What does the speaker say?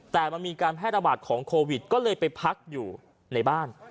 แต่มันมีการแพร่ระบาดของโควิดก็เลยไปพักอยู่ในบ้าน